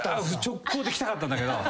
直行で来たかったんだけど。